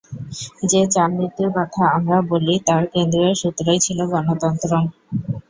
যে চার নীতির কথা আমরা বলি, তার কেন্দ্রীয় সূত্রই ছিল গণতন্ত্র।